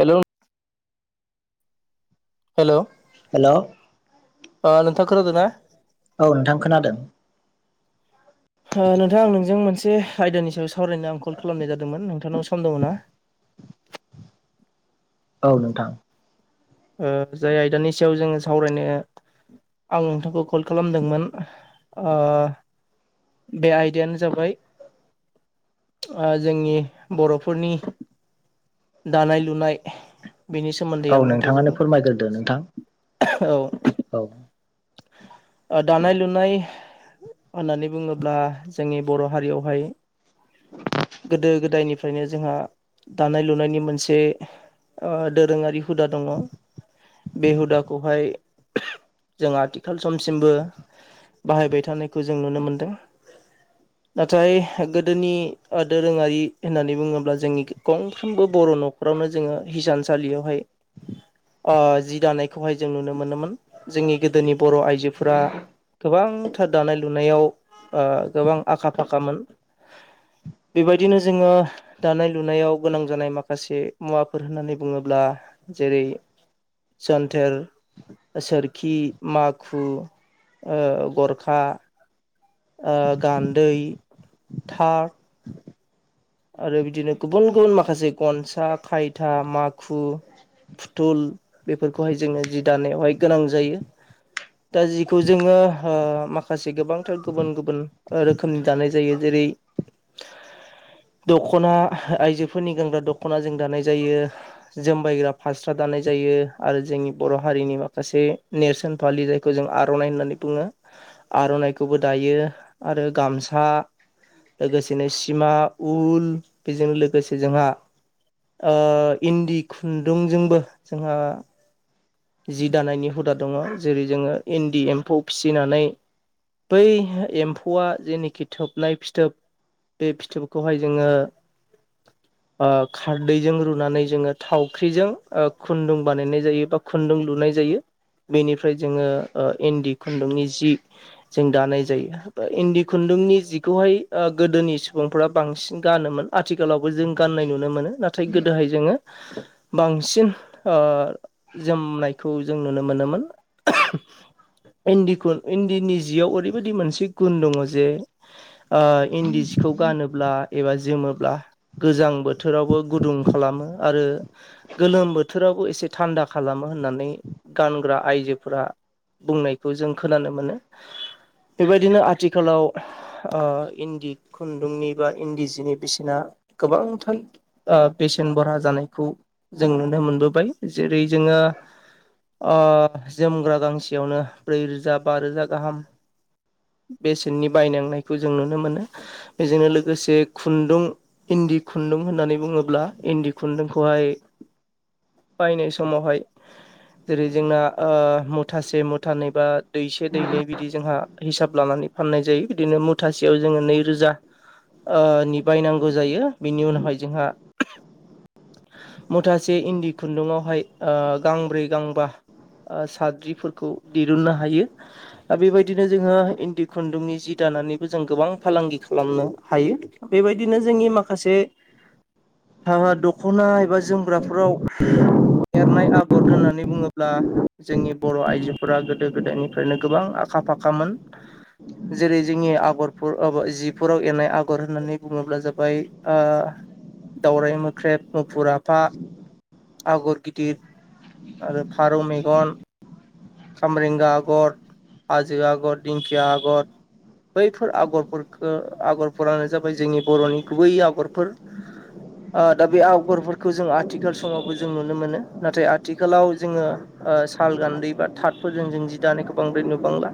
Hello hello hello ओ नोंथां खोनादों ना? औ नोंथां खोनादों। [inaudible] हो नोंथां आं नोंजों मोनसे आयदानि सायाव सावरायनो आं कल खालामनाय जादोंमोन नोंथांनाव सम दङ ना? [inaudible] औ नोंथां। ओ जाय आयदानि सायाव जोङो सावरायनो आं नोंथांखौ कल खालामदोंमोन ओ बे आयदायानो जाबाय ओ जोंनि बर'फोरनि दानाय लुनाय बेनि सोमोन्दै औ आं नोंथांजों नोंथाङानो फोरमायग्रोदो नोंथां औ। औ। ओ दानाय लुनाय होननानै बुङोब्ला जोंनि बर' हारियावहाय गोदो गोदायनिफ्रायनो जोंहा दानाय लुनायनि मोनसे ओ दोरोङारि हुदा दङ' बे हुदाखौहाय जों आथिखाल समसिमबो बाहायबाय थानायखौ जों नुनो मोनदों। नाथाय गोदोनि ओ दोरोङारि होननानै बुङोब्ला जोंनि गंफ्रोमबो बर' न'खराव नो जोङो हिसानसालियावहाय ओ जि दानायखौहाय जों नुनो मोनोमोन जोंनि गोदोनि बर' आइजोफोरा गोबां [unintelligible] दानाय लुनायाव गोबां आखा फाखामोन बेबायदिनो जोङो दानाय लुनायाव गोनां जानाय माखासे मुवाफोर होननानै बुङोब्ला जेरै जोन्थेर सोरख खि माखु ओ गरखा ओ गान्दै तार आरो बिदिनो गुबुन गुबुन माखासे गनसा खायथा माखु फुथुल बेफोरखौहाय जोङो जि दानायावहाय गोनां जायो। दा जिखौ जोङो ओ माखासे गोबांथार गुबुन गुबुन रोखोमनि दानाय जायो जेरै ऐ दख'ना आइजोफोरनि गानग्रा दख'ना जों दानाय जायो जोमबायग्रा फास्रा दानाय जायो। यो आरो जोंनि बर' हारिनि माखासे नेरसोन फालि जायखौ जों आर'नाइ होननानै बुङो आर'नाइखौबो दायो आरो गामसा लोगोसेनो सिमा उल बेजों लोगोसे जोंहा ओ इन्दि खुन्दुंजोंबो जोंहा जि दानायनि हुदा दङ' जेरै जोङो इन्दि एम्फौ फिसिनानै बै एम्फौआ जेनेखि थोबनाय फिथोब बे फिथोबखौहाय जोङो ओ खारदैजों रुनानै जोङो थावख्रिजों ओ खुन्दुं बानायनाय जायो बा खुन्दुं लुनाय जायो। बेनिफ्राय जोङो ओ इन्दि खुन्दुंनि जि जों दानाय जायो बा इन्दि खुन दुंनि जिखौहाय ओ गोदोनि सुबुंफ्रा बांसिन गानोमोन आथिखालावबो जों गाननाय नुनो मोनो नाथाय गोदोहाय जोङो बांसिन ओ जोमनायखौ जों नुनो मोनोमोन इन्दि खुन इन्दिनि जियाव ओरैबायदि मोनसे गुन दङ' जे ओ इन्दि सिखौ गानोब्ला एबा जोमोब्ला गोजां बोथोरावबो गुदुं खालामो आरो गोलोम बोथोरावबो एसे थान्दा खा खालामो होननानै गानग्रा आइजोफोरा बुंनायखौ जों खोनानो मोनो। बेबायदिनो आथिखालाव ओ इन्दि खुन्दुंनि बा इन्दि जिनि बिसिना गोबांथार ओ बेसेन बहरा जानायखौ जों नुनो मोनबोबाय जेरै जोङो ओ जोमग्रा गांसेयावनो ब्रै रोजा बा रोजा गाहाम बेसेननि बायनांनायखौ जों नुनो मोनो बेजोंनो लोगोसे खुन्दुं इन दि खुन्दुं होननानै बुङोब्ला इन्दि खुुन्दुंखौहाय बायनो सो समावहाय जेरै जोंना ओ मुथासे मुथानैबा दैसे दैनै बिदि जोंहा हिसाब लानानै फाननाय जायो बिदिनो मुथासेयाव जोङो नैरोजा ओ निबायनांगौ जायो बिनि उनावहाय जोंहा मुथासे इन्दि खुन्दुंआवहाय ओ गांब्रै गांबा ओ साद्रिफोरखौ दिरुननो हायो दा बेबायदिनो जोङो इन्दि खुन्दुंनि जि दा नानैबो जों गोबां फालांगि खालामनो हायो बेबायदिनो जोंनि माखासे हाबा दख'ना एबा जोमग्राफोराव एरनाय आगर होननानै बुङोब्ला जोंनि बर' आइजोफोरा गोदो गोदायनिफ्रायनो गोबां आखा फाख फाखामोन। जेरै जोंनि आगरफोर एबा जिफोराव एरनाय आगर होननानै बुङोब्ला जाबाय ओ दावराय मोख्रेब मुफुर आफा आगर गिदिर गिर आरो फारौ मेगन खामरेंगा आगर हाजो आगर दिंखिया आगर बैफोर आगरफोरखौ आगरफोरानो जाबाय जोंनि बर'नि गुबै आगरफोर ओ दा बे आवगरफोरखौ जों आथिखाल समावबो जों नुनो मोनो। नाथाय आथिखालाव जोङो साल गान्दै बा थाथफोरजों जों जि दानायखौ बांद्राय नुबांला।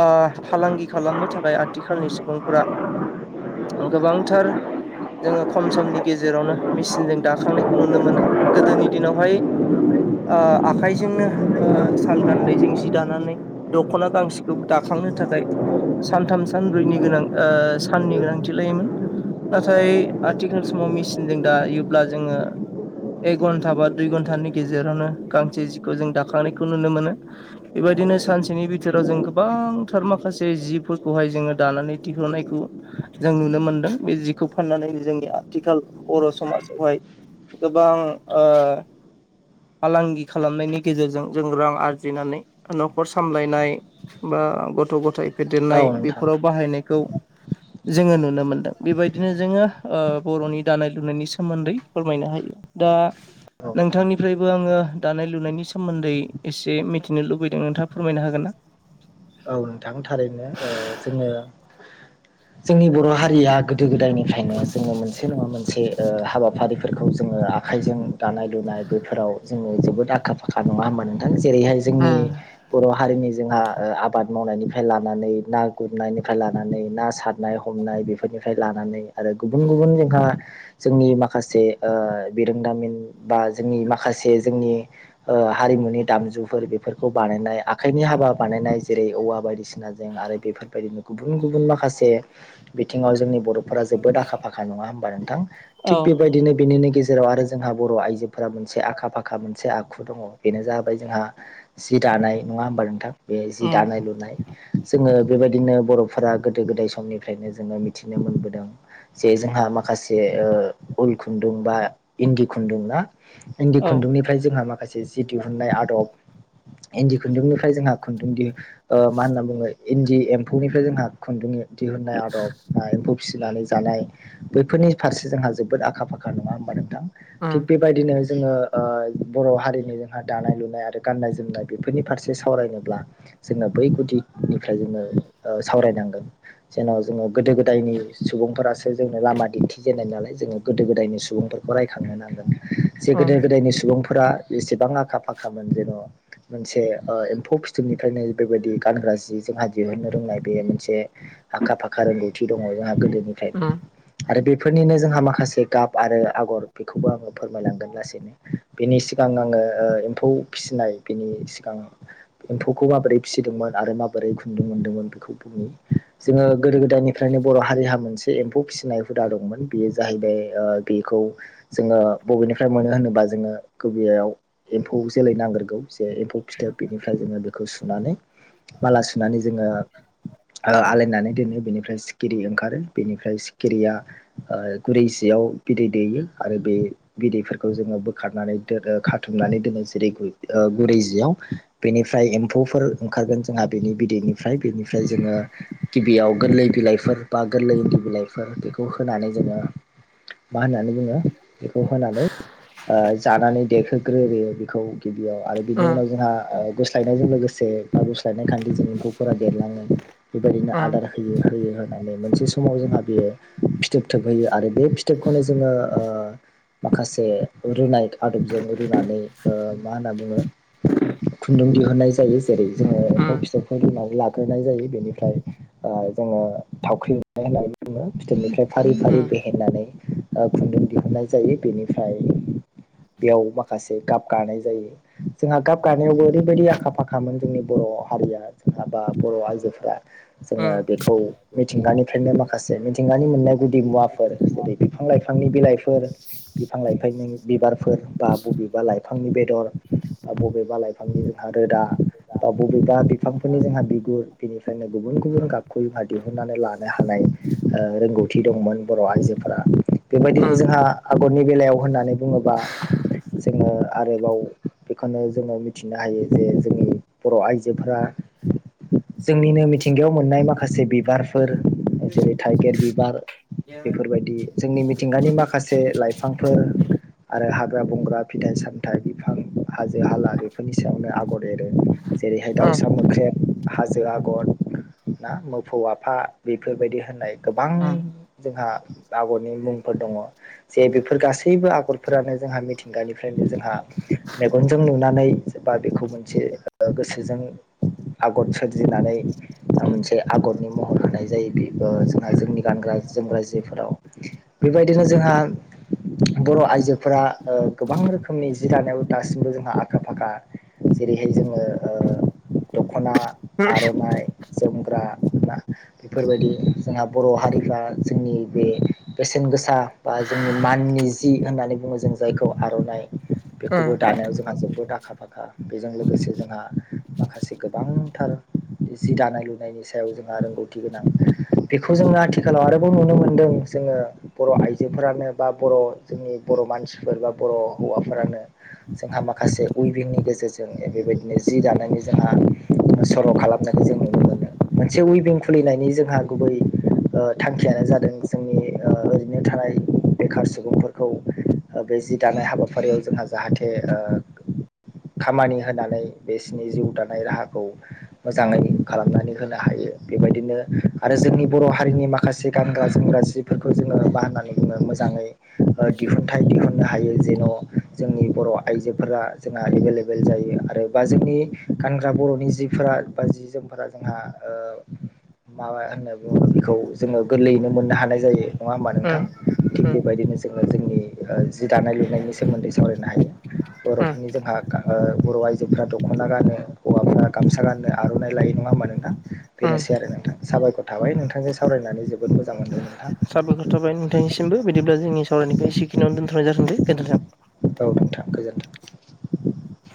ओ फालांगि खालामनो थाखाय आथिखालनि सुबुंफोरा गोबांथार जोङो खम समनि गेजेरावनो मेसििनजों दाखांनायखौ नुनो मोनो गोदोनि दिनावहाय [inaudible] [unintelligible] ओ आखाइजोंनो ओ साल गान्दैजों जि दानानै दख'ना गांसेखौ दाखांनो थाखाय सानथाम सानब्रैनि गोनां ओ साननि गोनांथि लायोमोन। नाथाय आथिखाल समाव मेसिनजों दायोब्ला जोङो एक घन्टा बा दुइ घन्टानि गेजेरावनो गांसे जिखौ जों दाखांनायखौ नुनो मोनो बेबायदिनो सानसेनि बिथोराव जों गोबांथार माखासे जिफोरखौहाय जोङो दानानै दिहुननायखौ जों नुनो मोनदों। बे जिखौ फाननानै जोंनि आथिखाल बर' समाजावहाय गोबां [inaudible] [unintelligible] फालांगि खालामनायनि गेजेरजों जों रां आरजिनानै न'खर सामलायनाय बा गथ' गथाय औ फेदेरनाय नोंथां बेफोराव बाहायनायखौ जोङो नुनो मोनदों बेबायदिनो जोङो बर'नि दानाय लुनायनि सोमोन्दै फोरमायनो हायो। दा औ नोंथां नोंथांनिफ्रायबो आङो दानाय लुनायनि सोमोन्दै एसे मिथिनो लुबैदों नोंथाङा फोरमायनो हागोन ना? [inaudible] [unintelligible] औ नोंथां थारैनो जोङो जोंनि बर' हारिया गोदो गोदायनिफ्रायनो जोङो मोनसे नङा मोनसे हाबाफारिफोरखौ जों आखाइजों दानाय लुनाय बेफोराव जोङो जेबोद आखा फाखा नङा होमबा नोंथां। जेरैहाय जोंनि बर' हारिनि जोंहा आबाद मावनायनिफ्राय लानानै ना गुरनायनिफ्राय लानानै ना सारनाय हमनाय बेफोरनिफ्राय लानानै आरो गुबुन गुबुन जोंहा जोंनि माखासे बिरोंदामिन बा जोंनि माखासे माख लोगोसे जोंनि हारिमुनि दामजुफोर बेफोरखौ बानायनाय आखाइनि हाबा बानायनाय जेरै औवा बायदिसिनाजों आरो बेफोरबायदिनो गुबुन गुबुन माखासे बिथिङाव जोंनि बर' फोर जोबोद आखा फाखा नङा हबा नोंथां औ थिग बेबायदिनो बेनि गेजेर जेराव आरो जोंहा बर' आइजोफोरा मोनसे आखा फाखा मोनसे आखु दङ बेनो जाबैाय जोंहा द दानाय नङा होमबा नोंथां बे जि उम दानाय लुनाय जोङो बेबायदिनो बर'फोरा गोदो गोदाय समनिफ्रायनो जोङो मिथिनो मोनबोदों। जे जोंहा माखासे उल खुन्दुं बा इन्दि खुन्दुं ना इन्दि औ खुन्दुंनिफ्राय जोंहा माखासे जि दिहुननाय आदब इन्दि खुन्दुंनिफ्राय जोंहा खुन्दुं दि मा होनना बुङो इन्दि एम्फौनिफ्राय जोंहा खुन्दुङयो दिहुननाय आद'ब आ एम्फो फिसिनानै जानाय बैफोरनि फारसे जोंहा जोबोद आखा फाखा नङा होनोमबानो थिग उम बेबायदिनो जोङो बर' हारिनि जोंहा दानाय लुनाय आरो गाननाय जोमनाय बेफोरनि फारसे सावरायनोब्ला जोंङो बै गुदिनिफ्राय जोंङो सावरायनांगोन जेन जोङो गोदो गोदायनि सुबुंफोरा जोंनो लामा दिन्थि जेननाय नालाय जोङो गोदो गोदायनि सुबुंफोरखौ रायखांनो नांगोन जे उम गोदो गोदायनि सुबुंफोर फोर्रा एसेबां आखा फाखामोन जेन' मोनसे एम्फौ फिथोबनिफ्रायनो बेबायदि गानग्रा जि जोंहा दिहुननो रोंनाय बे मोनसे आखा फाखा रोंगौथि दनङ जोंहा गोदो खायनो आरो बेफोरनिनो जोंहा माखासे गाब आरो आगर बेखौबो आंङो फोरमायलांगोन लासैनो बेनि सिगां आङो एम्फौ फिसिनाय बिनि सिगां एम्फौखौ माबोरै फिसिदोंमोन आरो माबोरै खुन्दुं मोनदोंमोन बेखौ बुंनि जोंङो गोदो गोदायनिफ्रायनो बर हारिहा मोनसे बे एम्फौ फिसिनाय हुदा दंमोन बेयो जाहैबाय ओ बेखौ जोंङो बबेनिफ्राय मोनो होनोबा जोंङो गुबैयाव एम्फौ जोलै नांग्रोगौ जे एम्फौ फिथोब बेनिफ्राय जोंङो बेखौ सुनानै माला सुनानै जोङो आलायनानै दोनो बेनिफ्राय सिखिरि ओंखारो बेनिफ्राय सिखिरिया ओ गुरै जियाव बिदै दैयो आरो बेदै फोरखौ जोंङो बोखारनानै दोनो खाथुमनानै दोनो जेरै गुरै ओ जियाव बेनिफ्राय एम्फौफोर ओंखारगोन जोंहा बिनि बिदैनिफ्राय बेनिफ्राय जोंङो गिबियाव गोरलै बिलाइफोर बा गोरलै बिलाइफोर बेखौ होनानै जोंङो मा होननानै बुङो बेखौ होनानै ओ जानानै देहोग्रोयो बेखौ गिबियाव आरो उम बिनि उनाव जोंहा गुस्लायनायजों लोगोसे आगुस्लायनाय खानथि जों एम्फौफोरा देरलाङो बेबायदिनो आदार होयो होयो होननानै मोनसे समाव जोंहा बेयो फिथोब थोबहैयो आरो बे फिथोबखौनो जोङो माखासे रुनाय आदबजों रुनानै ओ मा होनना बुङो खुन्दुं दिहुननाय जायो जेरै जोङो उम एम्फौ फिथोबफोर रुनानै लाग्रोनाय जायो बेनिफ्राय ओ जोङो थावख्रि होननानै बुङो फिथोबनिफ्राय फारि उम फारि बेहेनानै ओ खुन्दुं दिहुनन्नाय जायो बेनिफ्राय बेयाव माखासे गाब गानाय जायो जोंहा गाब गानायावबो ओरैबायदि आखा फाखा खामोन जोंनि बर' हारिया जोंहा बा बर' आइजोफोरा उम जोङो बेखौ मिथिंगानिफ्रायनो माखासे मिथिंगानि मोननाय गुदि मुवाफोर जेरै बिफां लाइफांनि बिलाइफोर बिफां लाइफांनि बिबारफोर बा बबेबा लाइफांनि बेदर बा बबेबा लाइफांनि जोंहा रोदा बा बबेबा बिफांफोरनि जोंहा बिगुर बिनिफ्रायनो गुबुन गुबुन गाबखौ जोंहा दिहुननानै लानो हायो थानाय ओ रोंगौथि दंमोन बर आइजोफोरा बेबायदिनो जोंहा आगरनि बेलायाव होननानै होननानै बुङोबा जोंङो आरोबाव बेखौनो जोंङो मिथिनो हायो जे जोंनि बर आइजोफोरा जोंनिनो मिथिंगायाव मोननाय माखासे बिबारफोर जेरै टाइगिर बिबार बेफोरबायदि जोंनि मिथिंगानि माखासे लाइफांफोर आरो हाग्रा बंग्रा फिथाइ सामथाइ बिफां हाजो हाला बेफोरनि सायावनो आगर जेरै जेरैहाय दाउसा मोख्रेब हाजो आगर ना मोफौ आफा बेफोरबायदि होननाय गोबां जोंहा आगरनि मुंफोर दंङ जे बेफोर गासैबो आगरफोरानो जोंहा मिथिंगानिफ्रायनो जोंहा मेगनजों नुनाय नुनानै बा बेखौ मोनसे गोसोजों आगर सोरजिनानै बा मोनसे आगरनि महर होनाय जायो बे जोंहा जोंनि गानग्रा जोमग्रा जिफोराव बेबायदिनो जोंहा बर आइजोफोरा ओ गोबां रोखोमनि जि दानायाव दासिमबो जोंहा आखा फाखा जेरैहाय जोंङो ओ दखना आरनाइ जोमग्रा बा बेफोरबायदि जोंहा बर' हारिफ्रा जोंनि बे बेसेन गोसा बा जोंनि मान नि जि होननानै बुङो जों जायखौ आर'नाइ बेखौबो उम दानायाव जोंहा जोबोद आखा फाखा बेजों लोगोसे जोंहा माखासे गोबांथार जि दानाय लुनायनि सायाव जोंहा रोंगौथि गोनां बेखौ जोङो आथिखालाव आरोबाव नुनो मोनदों जे जोङो बर' आइजोफोरानो बा बर' जोंनि बर' मानसिफोर बा बर' हौवाफोरानो जोंहा माखासे उइभिगंनि गेजेरजों जों बेबायदिनो जि दानायनि जोंहा सर' खालामनायखौ जों नुनो मोनो। मोनसे उइबिं खुलिनायनि जोंहा गुबै ओ थांखियानो जादों जोंनि ओ ओरैनो थानाय बेखार सुबुंफोरखौ ओ बे जि दानाय हाबाफारियाव जोंहा जाहाथे ओ खामानि होनानै बिसोरनि जिउ दानाय राहाखौ मोजाङै खालामनानै होनो हायो बेबायदिनो आरो जोंनि बर' हारिनि माखासे गानग्रा जोमग्रा सिफोरखौ जोङो बा होननानै बुङो मोजां मोनो। दिहुनथाय दिहुननो हायो जेन' जोंनि बर' आइजोफोरा जोंना लोगो लोगो जायो आरो बा जोंनि गानग्रा बर'नि जिफोरा बा जि जोमफोरा जोंहा माबा होनना बुङो बेखौ जोङो गोरलैयैनो मोननो हानाय जायो। नङा होमा नोंथां थिग बेबायदिनो जोङो जोंनि जि दानाय लुनायनि सोमोन्दै सावरायनो हायो उम उम बर'फोरनि जोंहा ओ बर'आइजोफोरा दख'ना गानो हौवाफोरा गामसा गाननो आर'नाइ लाय नङा होनबा नोंथां। बेनोसै आरो नोंथां साबायखर थाबाय नोंथांजों सावरायनानै जोबोद मोजां मोनदों नोंथां। दिनिमबो बिदिब्ला जोंनि सावरायनायखौ एसेखिनियावनो दोनथ'नाय जागोन दे गोजोन्थों। औ नोंथां गोजोन्थों।